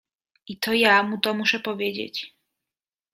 I to ja mu to muszę powiedzieć.